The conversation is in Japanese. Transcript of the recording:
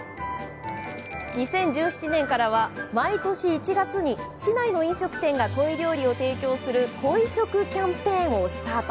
２０１７年からは毎年１月に市内の飲食店がコイ料理を提供する鯉食キャンペーンをスタート。